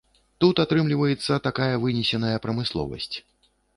Тут атрымліваецца такая вынесеная прамысловасць.